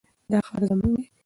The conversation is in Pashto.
دا ښار زموږ دی.